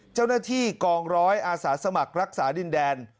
เจ้าหน้าที่กองร้อยอาสาสมัครรักษาดินแดน